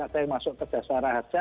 ada yang masuk ke dasar harga